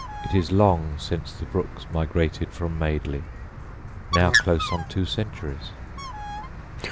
It is long since the Brookes migrated from Madeley now close upon two centuries.